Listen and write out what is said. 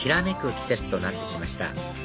季節となって来ました